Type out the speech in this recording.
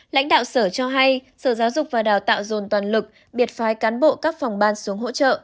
lãnh đạo sở cho hay sở giáo dục và đào tạo dồn toàn lực biệt phái cán bộ các phòng ban xuống hỗ trợ